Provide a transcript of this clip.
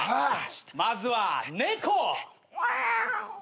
まずは猫！